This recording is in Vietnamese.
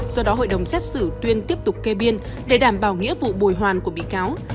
do đó hội đồng xét xử tuyên tiếp tục kê biên để đảm bảo nghĩa vụ bồi hoàn của bị cáo